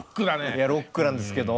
いやロックなんですけど。